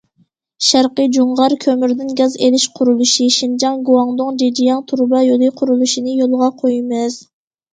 شەرقىي جۇڭغار كۆمۈردىن گاز ئېلىش قۇرۇلۇشى، شىنجاڭ گۇاڭدۇڭ جېجياڭ تۇرۇبا يولى قۇرۇلۇشىنى يولغا قويىمىز.